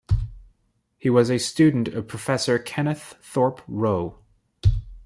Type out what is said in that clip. He was a student of Professor Kenneth Thorpe Rowe.